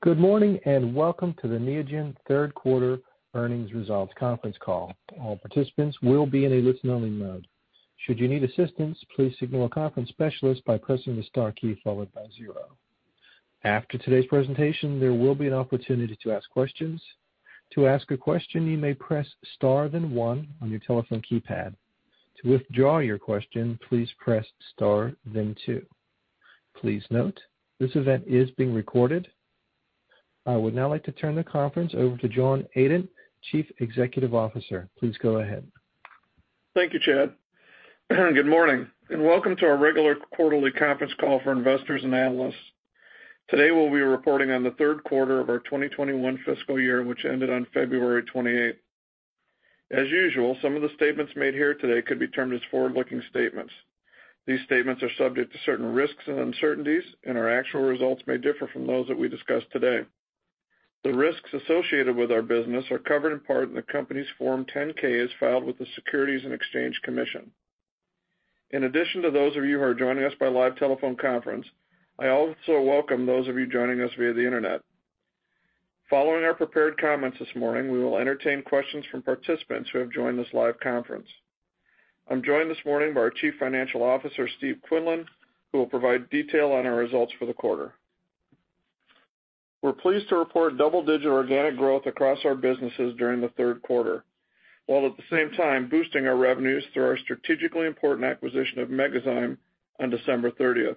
Good morning. Welcome to the Neogen third quarter earnings results conference call. All participants will be in a listen-only mode. Please note, this event is being recorded. I would now like to turn the conference over to John Adent, Chief Executive Officer. Please go ahead. Thank you, Chad. Good morning, and welcome to our regular quarterly conference call for investors and analysts. Today, we'll be reporting on the third quarter of our 2021 fiscal year, which ended on February 28th. As usual, some of the statements made here today could be termed as forward-looking statements. These statements are subject to certain risks and uncertainties, and our actual results may differ from those that we discuss today. The risks associated with our business are covered in part in the company's Form 10-K as filed with the Securities and Exchange Commission. In addition to those of you who are joining us by live telephone conference, I also welcome those of you joining us via the internet. Following our prepared comments this morning, we will entertain questions from participants who have joined this live conference. I'm joined this morning by our Chief Financial Officer, Steve Quinlan, who will provide detail on our results for the quarter. We're pleased to report double-digit organic growth across our businesses during the third quarter, while at the same time boosting our revenues through our strategically important acquisition of Megazyme on December 30th.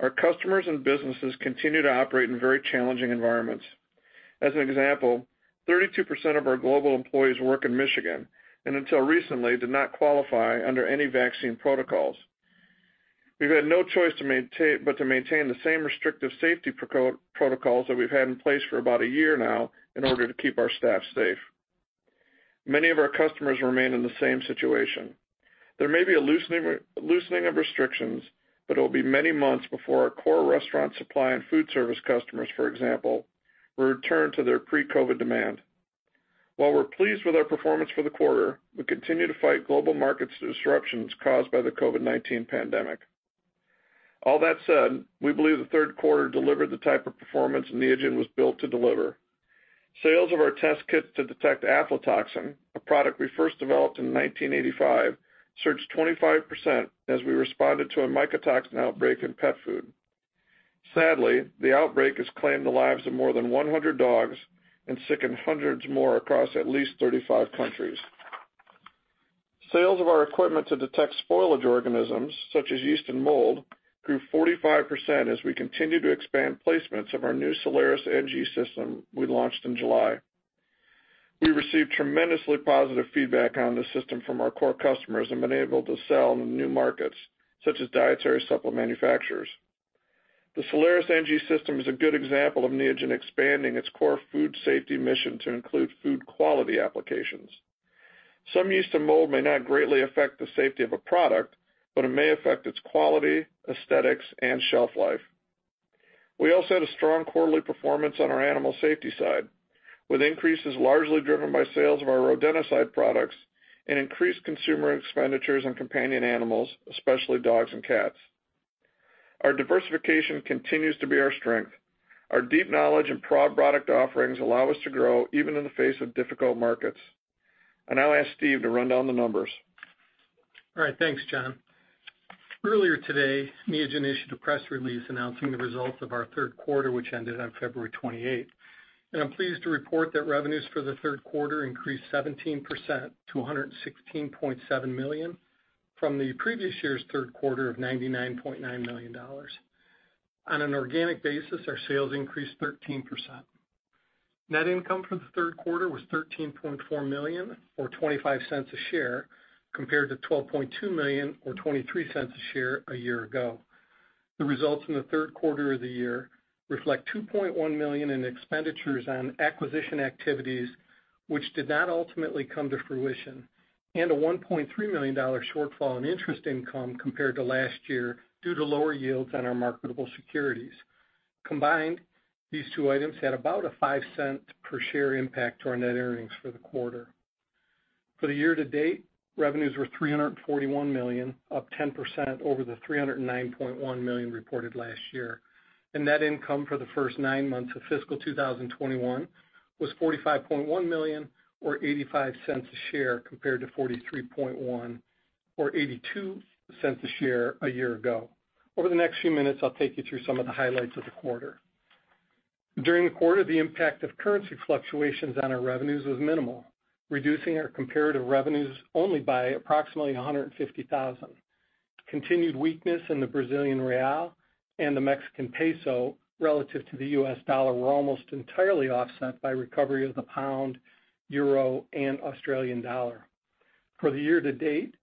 Our customers and businesses continue to operate in very challenging environments. As an example, 32% of our global employees work in Michigan, and until recently, did not qualify under any vaccine protocols. We've had no choice but to maintain the same restrictive safety protocols that we've had in place for about one year now in order to keep our staff safe. Many of our customers remain in the same situation. There may be a loosening of restrictions, but it'll be many months before our core restaurant supply and food service customers, for example, will return to their pre-COVID demand. While we're pleased with our performance for the quarter, we continue to fight global markets disruptions caused by the COVID-19 pandemic. All that said, we believe the third quarter delivered the type of performance Neogen was built to deliver. Sales of our test kits to detect aflatoxin, a product we first developed in 1985, surged 25% as we responded to a mycotoxin outbreak in pet food. Sadly, the outbreak has claimed the lives of more than 100 dogs and sickened hundreds more across at least 35 countries. Sales of our equipment to detect spoilage organisms such as yeast and mold grew 45% as we continue to expand placements of our new Soleris NG system we launched in July. We received tremendously positive feedback on this system from our core customers and been able to sell in new markets such as dietary supplement manufacturers. The Soleris NG system is a good example of Neogen expanding its core food safety mission to include food quality applications. Some yeast and mold may not greatly affect the safety of a product, but it may affect its quality, aesthetics, and shelf life. We also had a strong quarterly performance on our animal safety side, with increases largely driven by sales of our rodenticide products and increased consumer expenditures on companion animals, especially dogs and cats. Our diversification continues to be our strength. Our deep knowledge and broad product offerings allow us to grow even in the face of difficult markets. I now ask Steve to run down the numbers. All right. Thanks, John. Earlier today, Neogen issued a press release announcing the results of our third quarter, which ended on February 28th. I'm pleased to report that revenues for the third quarter increased 17% to $116.7 million from the previous year's third quarter of $99.9 million. On an organic basis, our sales increased 13%. Net income for the third quarter was $13.4 million, or $0.25 a share, compared to $12.2 million or $0.23 a share a year ago. The results in the third quarter of the year reflect $2.1 million in expenditures on acquisition activities which did not ultimately come to fruition, and a $1.3 million shortfall in interest income compared to last year due to lower yields on our marketable securities. Combined, these two items had about a $0.05 per share impact to our net earnings for the quarter. For the year to date, revenues were $341 million, up 10% over the $309.1 million reported last year. Net income for the first nine months of fiscal 2021 was $45.1 million or $0.85 a share, compared to $43.1 million or $0.82 a share a year ago. Over the next few minutes, I'll take you through some of the highlights of the quarter. During the quarter, the impact of currency fluctuations on our revenues was minimal, reducing our comparative revenues only by approximately $150,000. Continued weakness in the Brazilian real and the Mexican peso relative to the US dollar were almost entirely offset by recovery of the pound, euro, and Australian dollar. For the year to date,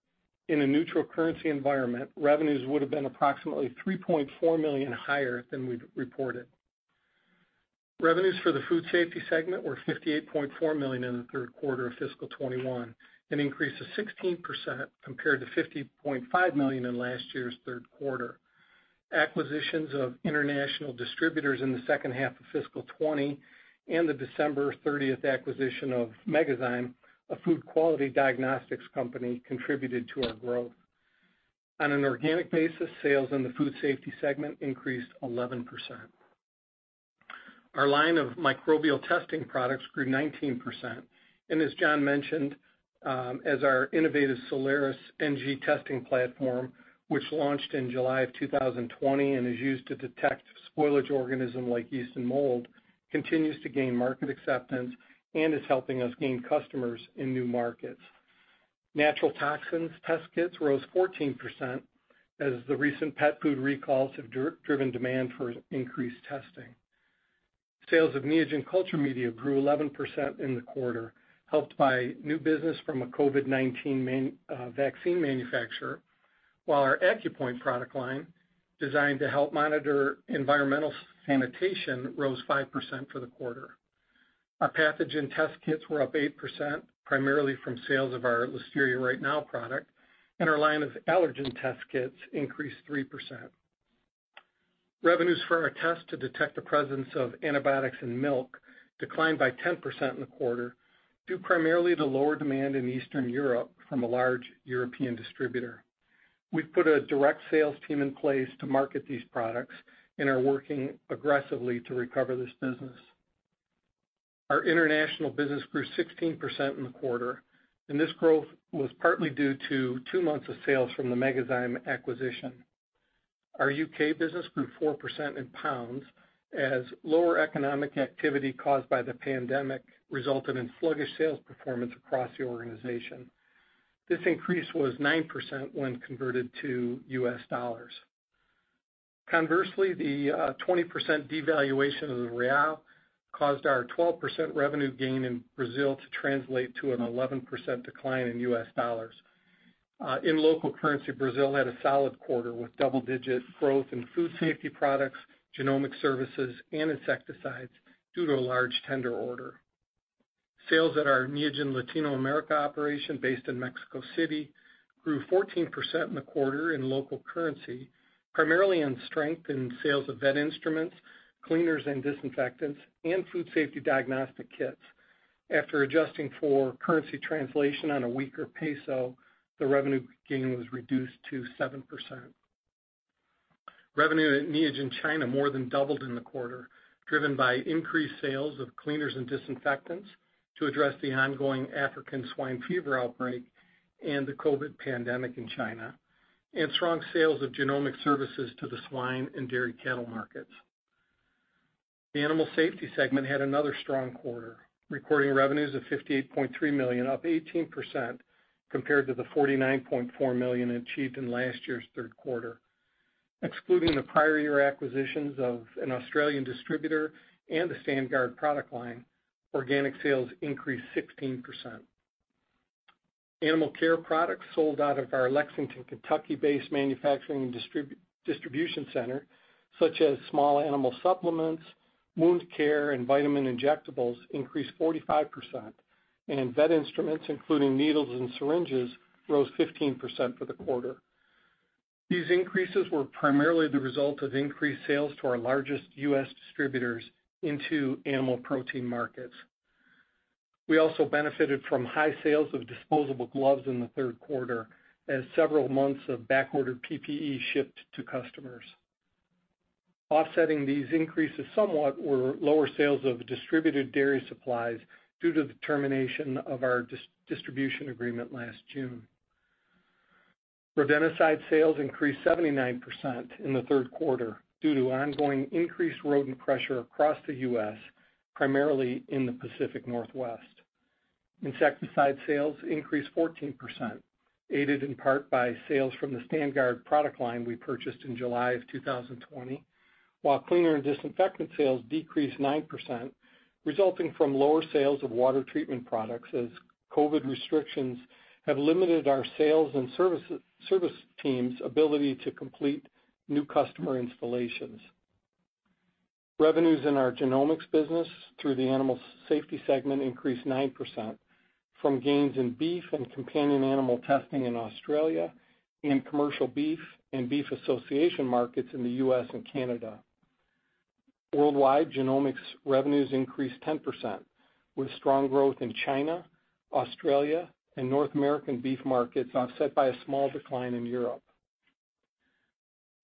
in a neutral currency environment, revenues would have been approximately $3.4 million higher than we've reported. Revenues for the food safety segment were $58.4 million in the third quarter of fiscal 2021, an increase of 16% compared to $50.5 million in last year's third quarter. Acquisitions of international distributors in the second half of fiscal 2020 and the December 30th acquisition of Megazyme, a food quality diagnostics company, contributed to our growth. On an organic basis, sales in the food safety segment increased 11%. Our line of microbial testing products grew 19%. As John mentioned, as our innovative Soleris NG testing platform, which launched in July of 2020 and is used to detect spoilage organisms like yeast and mold, continues to gain market acceptance and is helping us gain customers in new markets. Natural toxins test kits rose 14% as the recent pet food recalls have driven demand for increased testing. Sales of Neogen culture media grew 11% in the quarter, helped by new business from a COVID-19 vaccine manufacturer, while our AccuPoint product line, designed to help monitor environmental sanitation, rose 5% for the quarter. Our pathogen test kits were up 8%, primarily from sales of our Listeria Right Now product, and our line of allergen test kits increased 3%. Revenues for our test to detect the presence of antibiotics in milk declined by 10% in the quarter, due primarily to lower demand in Eastern Europe from a large European distributor. We've put a direct sales team in place to market these products and are working aggressively to recover this business. Our international business grew 16% in the quarter, and this growth was partly due to two months of sales from the Megazyme acquisition. Our U.K. business grew 4% in GBP, as lower economic activity caused by the pandemic resulted in sluggish sales performance across the organization. This increase was 9% when converted to USD. Conversely, the 20% devaluation of the Brazilian real caused our 12% revenue gain in Brazil to translate to an 11% decline in USD. In local currency, Brazil had a solid quarter, with double-digit growth in food safety products, genomic services and insecticides due to a large tender order. Sales at our Neogen Latinoamérica operation, based in Mexico City, grew 14% in the quarter in local currency, primarily on strength in sales of vet instruments, cleaners and disinfectants, and food safety diagnostic kits. After adjusting for currency translation on a weaker Mexican peso, the revenue gain was reduced to 7%. Revenue at Neogen China more than doubled in the quarter, driven by increased sales of cleaners and disinfectants to address the ongoing African swine fever outbreak and the COVID pandemic in China, and strong sales of genomic services to the swine and dairy cattle markets. The animal safety segment had another strong quarter, recording revenues of $58.3 million, up 18%, compared to the $49.4 million achieved in last year's third quarter. Excluding the prior year acquisitions of an Australian distributor and the StandGuard product line, organic sales increased 16%. Animal care products sold out of our Lexington, Kentucky-based manufacturing and distribution center, such as small animal supplements, wound care, and vitamin injectables increased 45%, and vet instruments, including needles and syringes, rose 15% for the quarter. These increases were primarily the result of increased sales to our largest U.S. distributors into animal protein markets. We also benefited from high sales of disposable gloves in the third quarter, as several months of back-ordered PPE shipped to customers. Offsetting these increases somewhat were lower sales of distributed dairy supplies due to the termination of our distribution agreement last June. Rodenticide sales increased 79% in the third quarter due to ongoing increased rodent pressure across the U.S., primarily in the Pacific Northwest. Insecticide sales increased 14%, aided in part by sales from the StandGuard product line we purchased in July of 2020. While cleaner and disinfectant sales decreased 9%, resulting from lower sales of water treatment products as COVID-19 restrictions have limited our sales and service team's ability to complete new customer installations. Revenues in our genomics business through the animal safety segment increased 9%, from gains in beef and companion animal testing in Australia and commercial beef and beef association markets in the U.S. and Canada. Worldwide, genomics revenues increased 10%, with strong growth in China, Australia, and North American beef markets, offset by a small decline in Europe.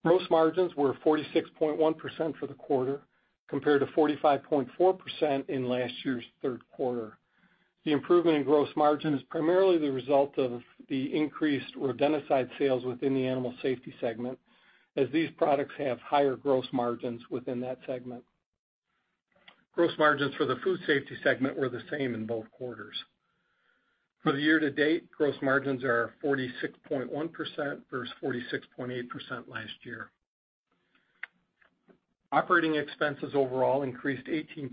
Gross margins were 46.1% for the quarter, compared to 45.4% in last year's third quarter. The improvement in gross margin is primarily the result of the increased rodenticide sales within the animal safety segment, as these products have higher gross margins within that segment. Gross margins for the food safety segment were the same in both quarters. For the year to date, gross margins are 46.1% versus 46.8% last year. Operating expenses overall increased 18%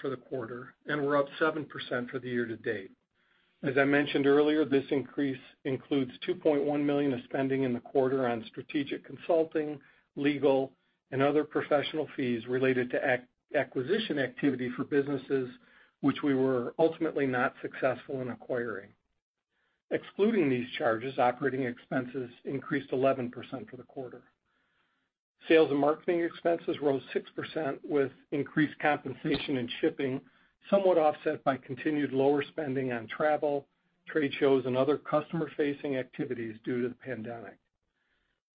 for the quarter and were up 7% for the year to date. As I mentioned earlier, this increase includes $2.1 million of spending in the quarter on strategic consulting, legal, and other professional fees related to acquisition activity for businesses which we were ultimately not successful in acquiring. Excluding these charges, operating expenses increased 11% for the quarter. Sales and marketing expenses rose 6%, with increased compensation and shipping somewhat offset by continued lower spending on travel, trade shows, and other customer-facing activities due to the pandemic.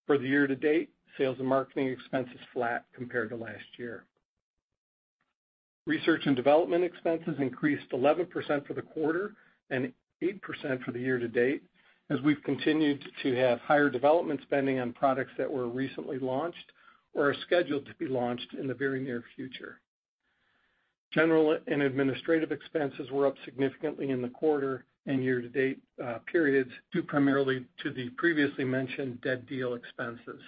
For the year-to-date, sales and marketing expense is flat compared to last year. Research and development expenses increased 11% for the quarter and 8% for the year-to-date, as we've continued to have higher development spending on products that were recently launched or are scheduled to be launched in the very near future. General and administrative expenses were up significantly in the quarter and year-to-date periods, due primarily to the previously mentioned dead deal expenses.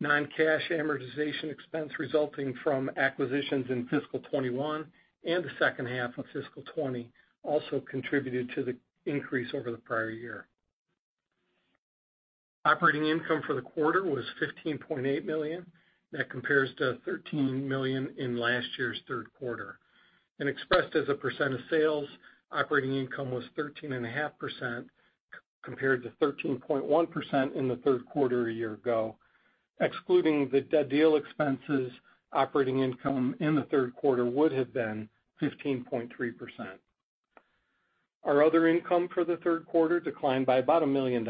Non-cash amortization expense resulting from acquisitions in fiscal 2021 and the second half of fiscal 2020 also contributed to the increase over the prior year. Operating income for the quarter was $15.8 million. That compares to $13 million in last year's third quarter. Expressed as a percent of sales, operating income was 13.5% compared to 13.1% in the third quarter a year ago. Excluding the dead deal expenses, operating income in the third quarter would have been 15.3%. Our other income for the third quarter declined by about $1 million,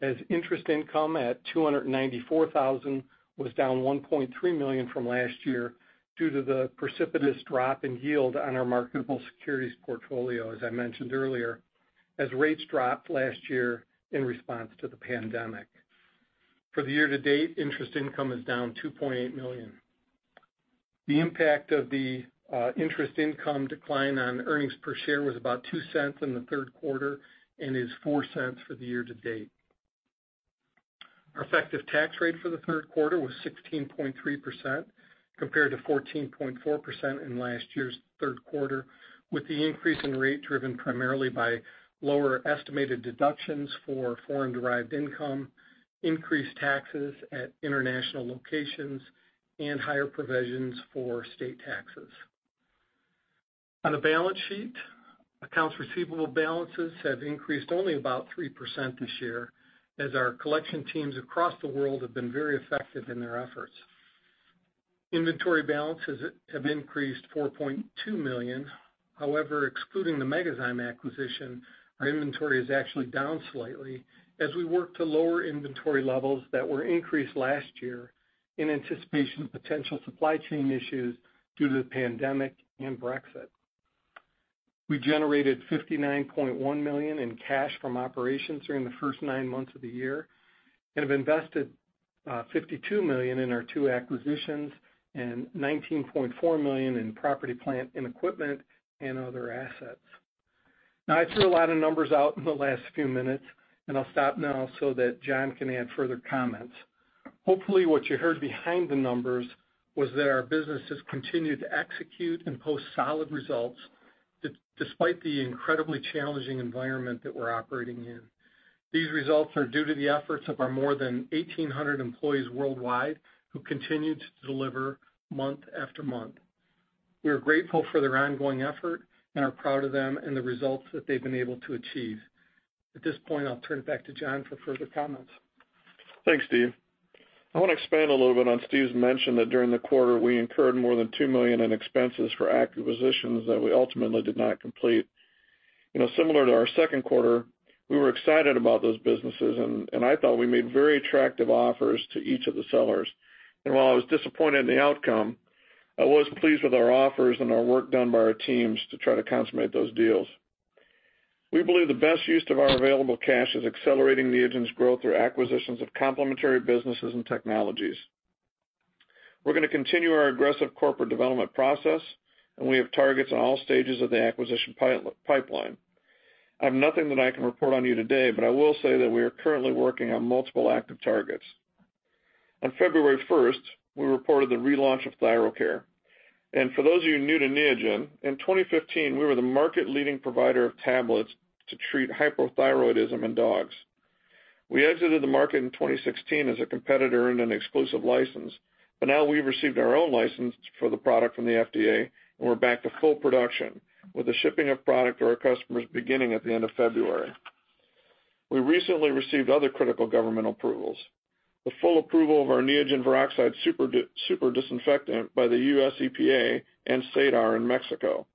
as interest income at $294,000 was down $1.3 million from last year due to the precipitous drop in yield on our marketable securities portfolio, as I mentioned earlier, as rates dropped last year in response to the pandemic. For the year-to-date, interest income is down $2.8 million. The impact of the interest income decline on earnings per share was about $0.02 in the third quarter and is $0.04 for the year-to-date. Our effective tax rate for the third quarter was 16.3% compared to 14.4% in last year's third quarter, with the increase in rate driven primarily by lower estimated deductions for foreign-derived income, increased taxes at international locations, and higher provisions for state taxes. On the balance sheet, accounts receivable balances have increased only about 3% this year as our collection teams across the world have been very effective in their efforts. Inventory balances have increased $4.2 million. However, excluding the Megazyme acquisition, our inventory is actually down slightly as we work to lower inventory levels that were increased last year in anticipation of potential supply chain issues due to the pandemic and Brexit. We generated $59.1 million in cash from operations during the first nine months of the year and have invested $52 million in our two acquisitions and $19.4 million in property, plant, and equipment and other assets. I threw a lot of numbers out in the last few minutes, and I'll stop now so that John can add further comments. Hopefully, what you heard behind the numbers was that our business has continued to execute and post solid results despite the incredibly challenging environment that we're operating in. These results are due to the efforts of our more than 1,800 employees worldwide who continue to deliver month after month. We are grateful for their ongoing effort and are proud of them and the results that they've been able to achieve. At this point, I'll turn it back to John for further comments. Thanks, Steve. I want to expand a little bit on Steve's mention that during the quarter, we incurred more than $2 million in expenses for acquisitions that we ultimately did not complete. Similar to our second quarter, we were excited about those businesses and I thought we made very attractive offers to each of the sellers. While I was disappointed in the outcome, I was pleased with our offers and our work done by our teams to try to consummate those deals. We believe the best use of our available cash is accelerating Neogen's growth through acquisitions of complementary businesses and technologies. We're going to continue our aggressive corporate development process, and we have targets on all stages of the acquisition pipeline. I have nothing that I can report on you today, but I will say that we are currently working on multiple active targets. On February 1st, we reported the relaunch of ThyroKare. For those of you new to Neogen, in 2015, we were the market-leading provider of tablets to treat hypothyroidism in dogs. We exited the market in 2016 as a competitor in an exclusive license, now we've received our own license for the product from the FDA and we're back to full production with the shipping of product to our customers beginning at the end of February. We recently received other critical government approvals. The full approval of our Neogen Viroxide Super disinfectant by the USEPA and SEMARNAT in Mexico.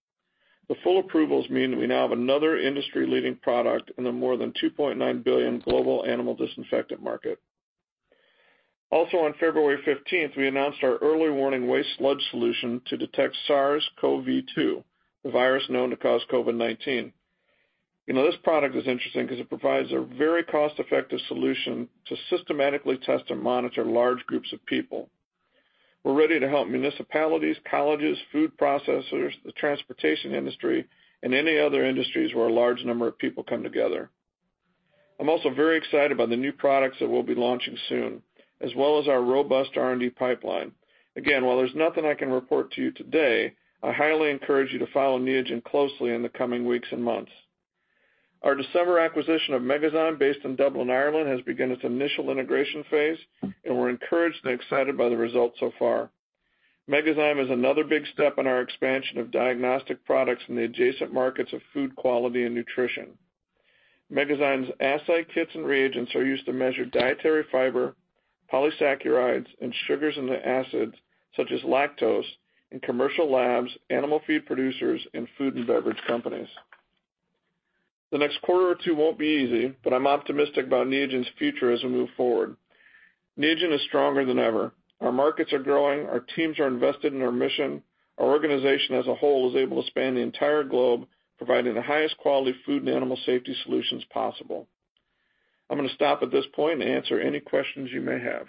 The full approvals mean that we now have another industry-leading product in the more than $2.9 billion global animal disinfectant market. On February 15th, we announced our early warning waste sludge solution to detect SARS-CoV-2, the virus known to cause COVID-19. This product is interesting because it provides a very cost-effective solution to systematically test and monitor large groups of people. We're ready to help municipalities, colleges, food processors, the transportation industry, and any other industries where a large number of people come together. I'm also very excited about the new products that we'll be launching soon, as well as our robust R&D pipeline. Again, while there's nothing I can report to you today, I highly encourage you to follow Neogen closely in the coming weeks and months. Our December acquisition of Megazyme based in Dublin, Ireland, has begun its initial integration phase, and we're encouraged and excited by the results so far. Megazyme is another big step in our expansion of diagnostic products in the adjacent markets of food quality and nutrition. Megazyme's assay kits and reagents are used to measure dietary fiber, polysaccharides, and sugars into acids, such as lactose in commercial labs, animal feed producers, and food and beverage companies. The next quarter or two won't be easy, but I'm optimistic about Neogen's future as we move forward. Neogen is stronger than ever. Our markets are growing, our teams are invested in our mission, our organization as a whole is able to span the entire globe, providing the highest quality food and animal safety solutions possible. I'm going to stop at this point and answer any questions you may have.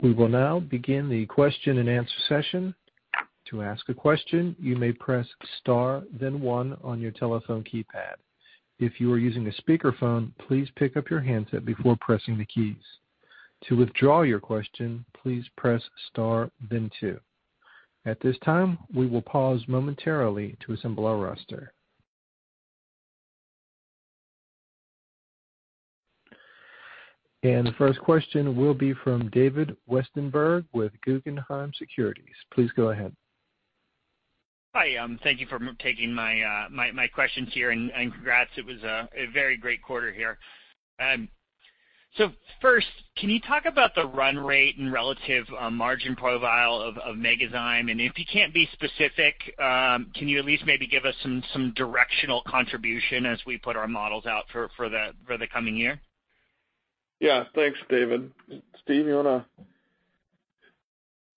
We will now begin the question and answer session. To ask a question, you may press star, then one on your telephone keypad. If you're using a speakerphone, please pick up your handset before pressing the keys. To enjoy your question, please press star, then two. At this time, we will pause momentarily to assemble our roster. The first question will be from David Westenberg with Guggenheim Securities. Please go ahead. Hi. Thank you for taking my questions here, congrats, it was a very great quarter here. First, can you talk about the run rate and relative margin profile of Megazyme? If you can't be specific, can you at least maybe give us some directional contribution as we put our models out for the coming year? Yeah. Thanks, David. Steve, you want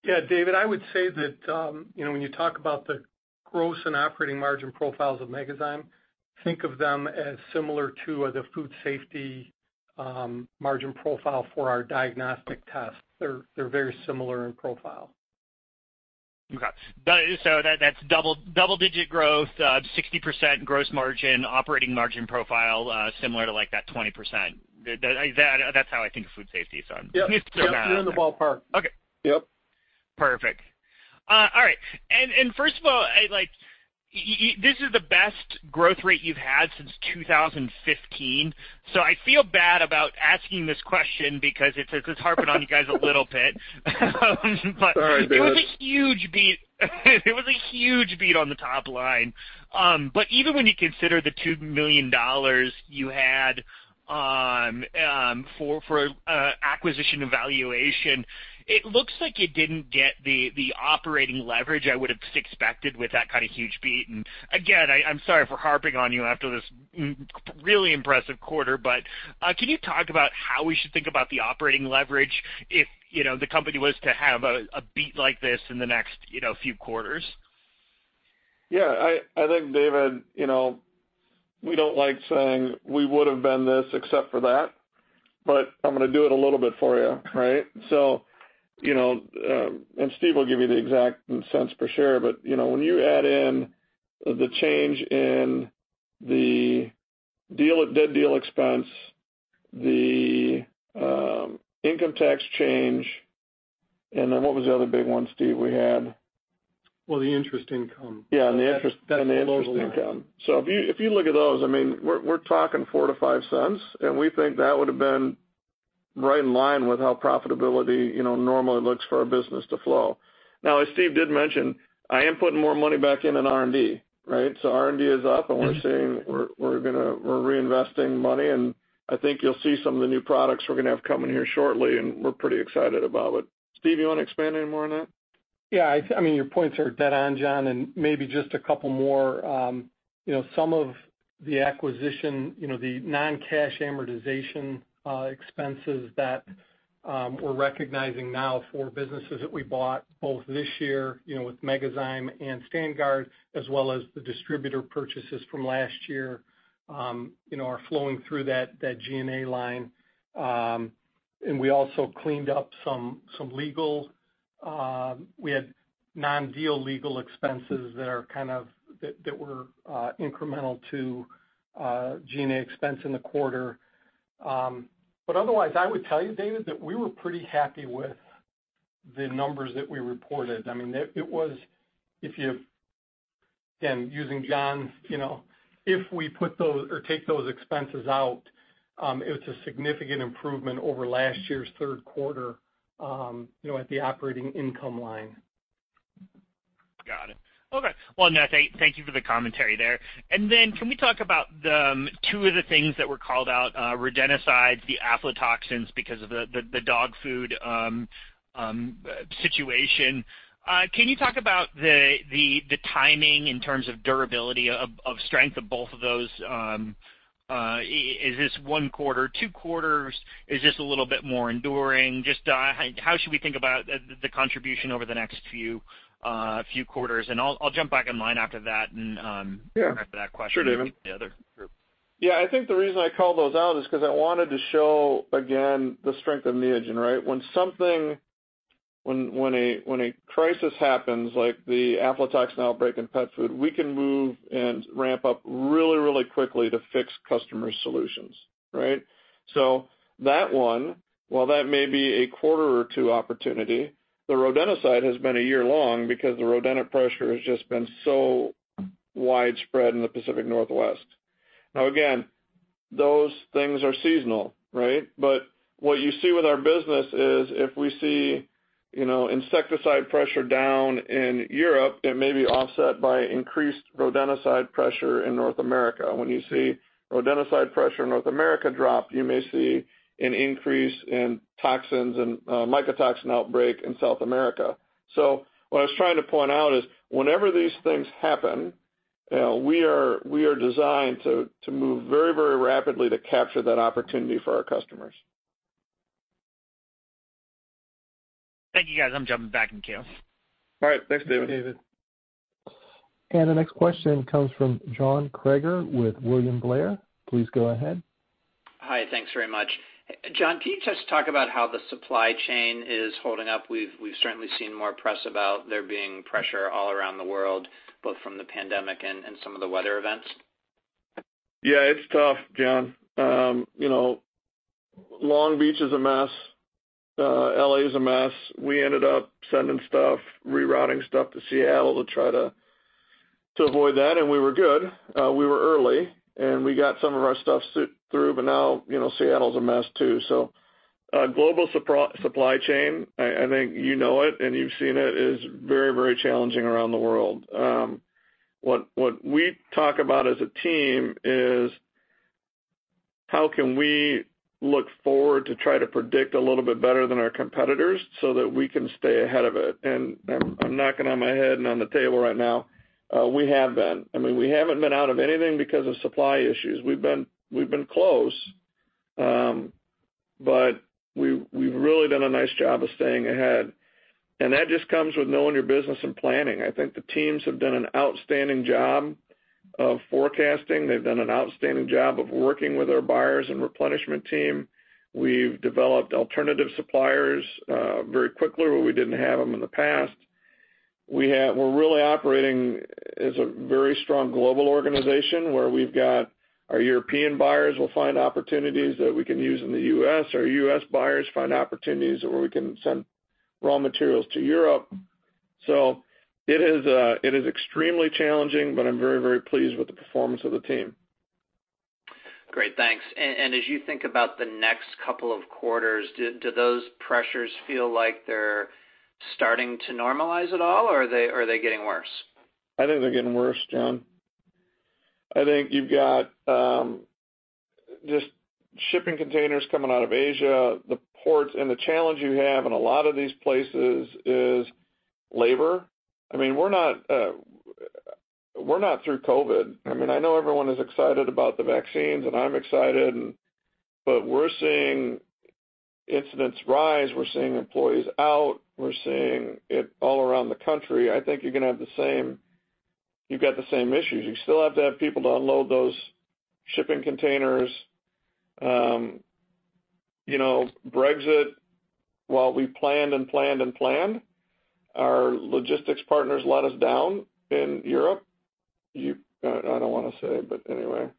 to. David, I would say that when you talk about the gross and operating margin profiles of Megazyme, think of them as similar to the food safety margin profile for our diagnostic tests. They're very similar in profile. Okay. That's double-digit growth, 60% gross margin, operating margin profile, similar to that 20%. That's how I think of food safety. Yep. You're in the ballpark. Okay. Yep. Perfect. All right. First of all, this is the best growth rate you've had since 2015, so I feel bad about asking this question because it's harping on you guys a little bit. Sorry, David. It was a huge beat on the top line. Even when you consider the $2 million you had for acquisition evaluation, it looks like you didn't get the operating leverage I would've expected with that kind of huge beat. Again, I'm sorry for harping on you after this really impressive quarter, but can you talk about how we should think about the operating leverage if the company was to have a beat like this in the next few quarters? Yeah. I think, David, we don't like saying, "We would've been this except for that," but I'm going to do it a little bit for you, right? Steve will give you the exact cents per share, but when you add in the change in the dead deal expense, the income tax change, and then what was the other big one, Steve, we had? Well, the interest income. Yeah, the interest income. That's below the line. If you look at those, we're talking $0.04-$0.05, and we think that would've been right in line with how profitability normally looks for our business to flow. Now, as Steve did mention, I am putting more money back in R&D, right? R&D is up, and we're saying we're reinvesting money, and I think you'll see some of the new products we're going to have coming here shortly, and we're pretty excited about it. Steve, you want to expand any more on that? Yeah. Your points are dead on, John, and maybe just a couple more. Some of the acquisition, the non-cash amortization expenses that we're recognizing now for businesses that we bought both this year with Megazyme and StandGuard, as well as the distributor purchases from last year, are flowing through that G&A line. We also cleaned up some legal. We had non-deal legal expenses that were incremental to G&A expense in the quarter. Otherwise, I would tell you, David, that we were pretty happy with the numbers that we reported. Again, using John's, if we put those or take those expenses out, it was a significant improvement over last year's third quarter, at the operating income line. Got it. Okay. Well, thank you for the commentary there. Can we talk about two of the things that were called out, rodenticide, the aflatoxin, because of the dog food situation? Can you talk about the timing in terms of durability of strength of both of those? Is this one quarter, two quarters? Is this a little bit more enduring? Just how should we think about the contribution over the next few quarters? I'll jump back in line after that. Yeah. Go back to that question. Sure, David. The other group. Yeah, I think the reason I called those out is because I wanted to show again, the strength of Neogen, right? When a crisis happens, like the aflatoxin outbreak in pet food, we can move and ramp up really, really quickly to fix customer solutions. Right? That one, while that may be a quarter or two opportunity, the rodenticide has been a year long because the rodent pressure has just been so widespread in the Pacific Northwest. Those things are seasonal, right? What you see with our business is, if we see insecticide pressure down in Europe, it may be offset by increased rodenticide pressure in North America. When you see rodenticide pressure in North America drop, you may see an increase in toxins and mycotoxin outbreak in South America. What I was trying to point out is whenever these things happen, we are designed to move very rapidly to capture that opportunity for our customers. Thank you, guys. I'm jumping back in queue. All right. Thanks, David. The next question comes from John Kreger with William Blair. Please go ahead. Hi. Thanks very much. John, can you just talk about how the supply chain is holding up? We've certainly seen more press about there being pressure all around the world, both from the pandemic and some of the weather events. It's tough, John. Long Beach is a mess. L.A. is a mess. We ended up sending stuff, rerouting stuff to Seattle to try to avoid that, and we were good. We were early, and we got some of our stuff through, but now, Seattle's a mess, too. Global supply chain, I think you know it and you've seen it, is very challenging around the world. What we talk about as a team is how can we look forward to try to predict a little bit better than our competitors so that we can stay ahead of it? I'm knocking on my head and on the table right now. We have been. We haven't been out of anything because of supply issues. We've been close. We've really done a nice job of staying ahead. That just comes with knowing your business and planning. I think the teams have done an outstanding job of forecasting. They've done an outstanding job of working with our buyers and replenishment team. We've developed alternative suppliers very quickly, where we didn't have them in the past. We're really operating as a very strong global organization, where we've got our European buyers will find opportunities that we can use in the U.S., our U.S. buyers find opportunities where we can send raw materials to Europe. It is extremely challenging, but I'm very pleased with the performance of the team. Great. Thanks. As you think about the next couple of quarters, do those pressures feel like they're starting to normalize at all, or are they getting worse? I think they're getting worse, John. I think you've got just shipping containers coming out of Asia, the ports, the challenge you have in a lot of these places is labor. We're not through COVID. I know everyone is excited about the vaccines, I'm excited, we're seeing incidents rise. We're seeing employees out. We're seeing it all around the country. I think you've got the same issues. You still have to have people to unload those shipping containers. Brexit, while we planned and planned. Our logistics partners let us down in Europe. I don't want to say, anyway.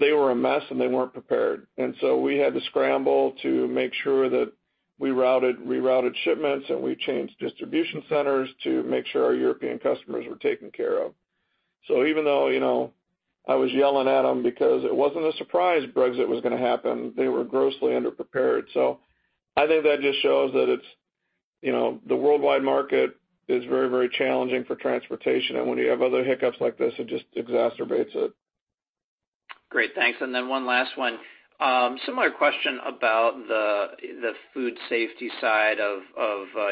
They were a mess, they weren't prepared. We had to scramble to make sure that we rerouted shipments, and we changed distribution centers to make sure our European customers were taken care of. Even though I was yelling at them because it wasn't a surprise Brexit was going to happen, they were grossly underprepared. I think that just shows that the worldwide market is very challenging for transportation, and when you have other hiccups like this, it just exacerbates it. Great. Thanks. One last one. Similar question about the food safety side of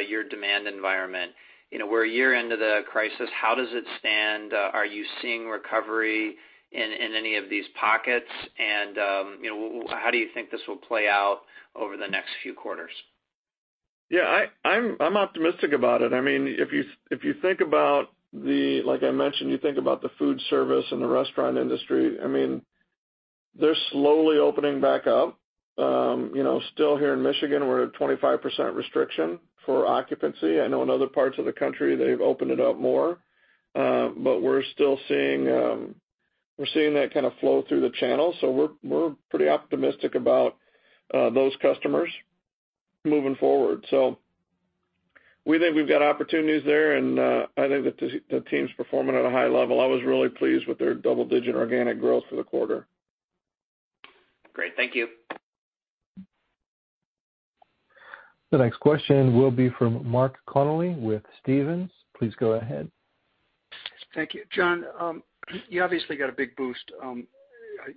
your demand environment. We're a year into the crisis. How does it stand? Are you seeing recovery in any of these pockets? How do you think this will play out over the next few quarters? I'm optimistic about it. If you think about the, like I mentioned, you think about the food service and the restaurant industry, they're slowly opening back up. Still here in Michigan, we're at 25% restriction for occupancy. I know in other parts of the country, they've opened it up more. We're still seeing that kind of flow through the channels. We're pretty optimistic about those customers moving forward. We think we've got opportunities there, and I think that the team's performing at a high level. I was really pleased with their double-digit organic growth for the quarter. Great. Thank you. The next question will be from Mark Connelly with Stephens. Please go ahead. Thank you. John, you obviously got a big boost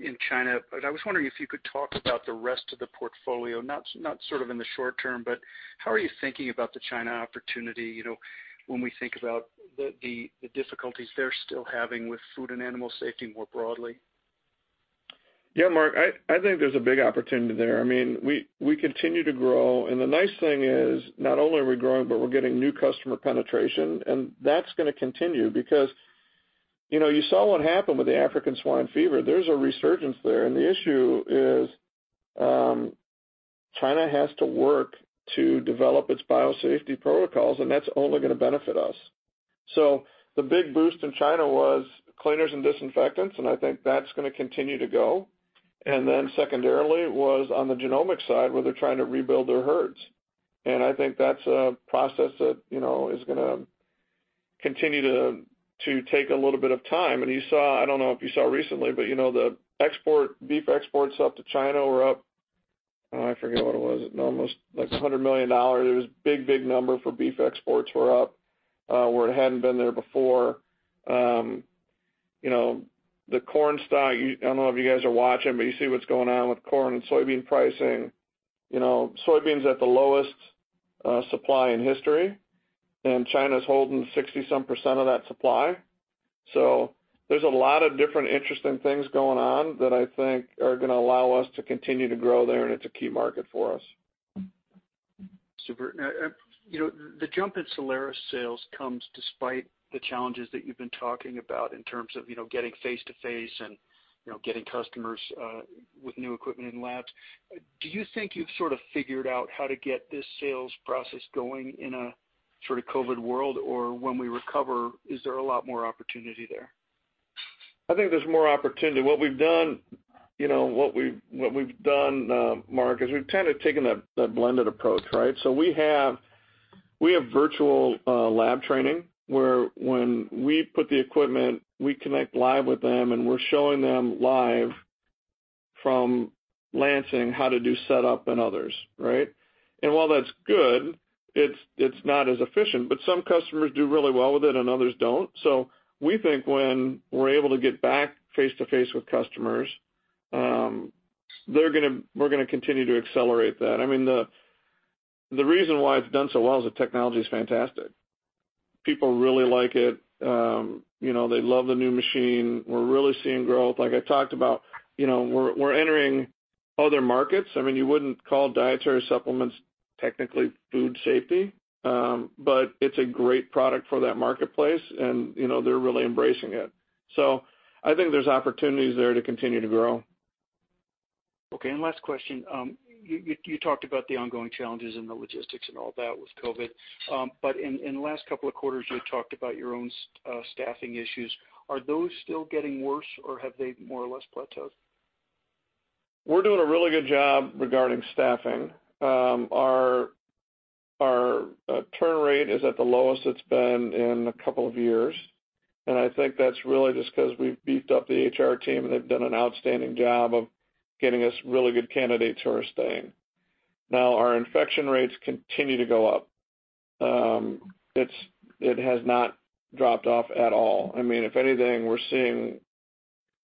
in China, but I was wondering if you could talk about the rest of the portfolio, not sort of in the short term, but how are you thinking about the China opportunity, when we think about the difficulties they're still having with food and animal safety more broadly? Yeah, Mark, I think there's a big opportunity there. We continue to grow, and the nice thing is not only are we growing, but we're getting new customer penetration, and that's going to continue because you saw what happened with the African swine fever. There's a resurgence there, and the issue is China has to work to develop its biosafety protocols, and that's only going to benefit us. The big boost in China was cleaners and disinfectants, and I think that's going to continue to go. Then secondarily was on the genomic side, where they're trying to rebuild their herds. I think that's a process that is going to continue to take a little bit of time. I don't know if you saw recently, but the beef exports up to China were up, I forget what it was, almost like $100 million. It was big, big number for beef exports were up, where it hadn't been there before. The corn stock, I don't know if you guys are watching, but you see what's going on with corn and soybean pricing. Soybeans at the lowest supply in history, and China's holding 60% some of that supply. There's a lot of different interesting things going on that I think are going to allow us to continue to grow there, and it's a key market for us. Super. The jump in Soleris sales comes despite the challenges that you've been talking about in terms of getting face-to-face and getting customers with new equipment in labs. Do you think you've sort of figured out how to get this sales process going in a sort of COVID world? Or when we recover, is there a lot more opportunity there? I think there's more opportunity. What we've done, Mark, is we've kind of taken that blended approach, right? We have virtual lab training where when we put the equipment, we connect live with them, and we're showing them live from Lansing how to do setup and others, right? While that's good, it's not as efficient. Some customers do really well with it and others don't. We think when we're able to get back face-to-face with customers, we're gonna continue to accelerate that. The reason why it's done so well is the technology's fantastic. People really like it. They love the new machine. We're really seeing growth. Like I talked about, we're entering other markets. You wouldn't call dietary supplements technically food safety, but it's a great product for that marketplace, and they're really embracing it. I think there's opportunities there to continue to grow. Okay, last question. You talked about the ongoing challenges and the logistics and all that with COVID. In the last couple of quarters, you talked about your own staffing issues. Are those still getting worse, or have they more or less plateaued? We're doing a really good job regarding staffing. Our turn rate is at the lowest it's been in a couple of years, and I think that's really just because we've beefed up the HR team, and they've done an outstanding job of getting us really good candidates who are staying. Now, our infection rates continue to go up. It has not dropped off at all. If anything, we're seeing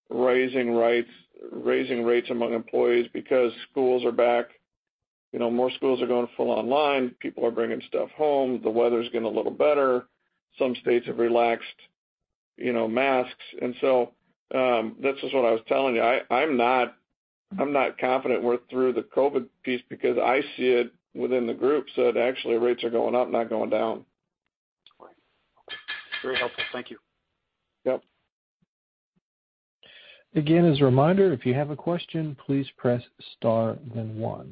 raising rates among employees because schools are back. More schools are going full online. People are bringing stuff home. The weather's getting a little better. Some states have relaxed masks. This is what I was telling you. I'm not confident we're through the COVID piece because I see it within the group. Actually, rates are going up, not going down. Right. Okay. Very helpful. Thank you. Yep. Again, as a reminder, if you have a question, please press star then one.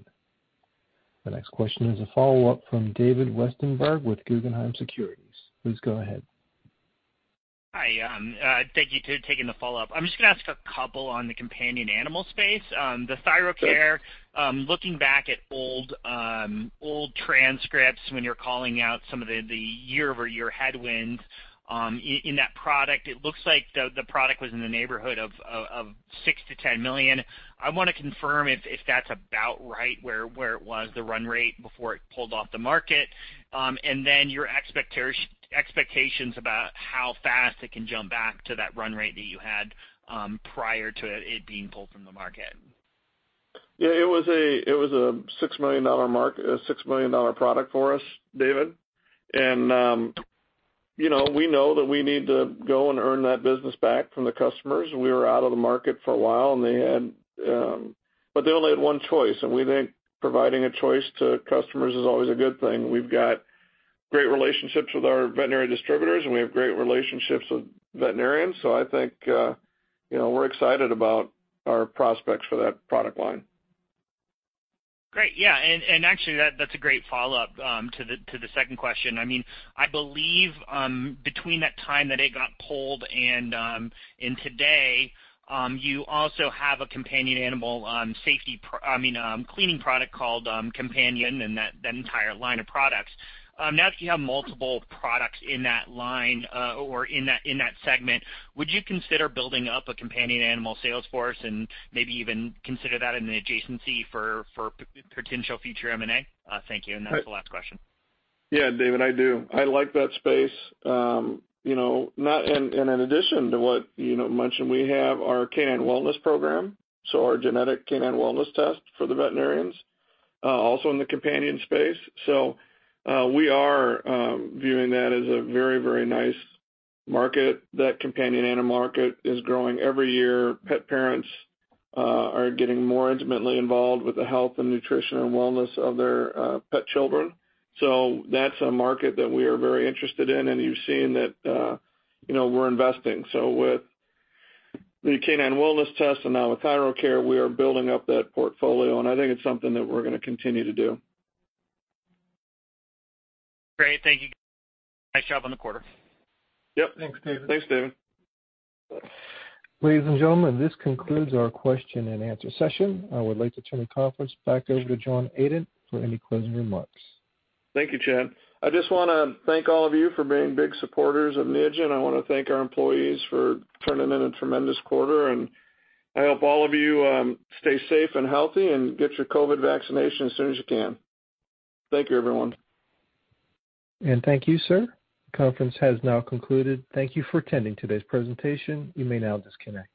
The next question is a follow-up from David Westenberg with Guggenheim Securities. Please go ahead. Hi. Thank you to taking the follow-up. I'm just going to ask a couple on the companion animal space. The ThyroKare, looking back at old transcripts when you're calling out some of the year-over-year headwinds in that product, it looks like the product was in the neighborhood of $6 million-$10 million. I want to confirm if that's about right, where it was, the run rate before it pulled off the market, and then your expectations about how fast it can jump back to that run rate that you had prior to it being pulled from the market? It was a $6 million product for us, David. We know that we need to go and earn that business back from the customers. We were out of the market for a while, but they only had one choice, and we think providing a choice to customers is always a good thing. We've got great relationships with our veterinary distributors, and we have great relationships with veterinarians. I think we're excited about our prospects for that product line. Great. Yeah. Actually, that's a great follow-up to the second question. I believe between that time that it got pulled and today, you also have a companion animal cleaning product called COMPANION and that entire line of products. Now that you have multiple products in that line or in that segment, would you consider building up a companion animal sales force and maybe even consider that an adjacency for potential future M&A? Thank you, that's the last question. Yeah, David, I do. I like that space. In addition to what you mentioned, we have our Igenity Canine Wellness, so our genetic canine wellness test for the veterinarians, also in the companion space. We are viewing that as a very, very nice market. That companion animal market is growing every year. Pet parents are getting more intimately involved with the health and nutrition and wellness of their pet children. That's a market that we are very interested in, and you've seen that we're investing. With the Canine Wellness Test and now with ThyroKare, we are building up that portfolio, and I think it's something that we're going to continue to do. Great. Thank you. Nice job on the quarter. Yep. Thanks, David. Ladies and gentlemen, this concludes our question and answer session. I would like to turn the conference back over to John Adent for any closing remarks. Thank you, Chad. I just want to thank all of you for being big supporters of Neogen. I want to thank our employees for turning in a tremendous quarter, and I hope all of you stay safe and healthy and get your COVID vaccination as soon as you can. Thank you, everyone. Thank you, sir. Conference has now concluded. Thank you for attending today's presentation. You may now disconnect.